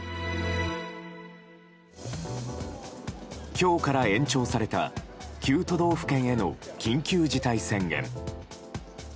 今日から延長された９都道府県への緊急事態宣言。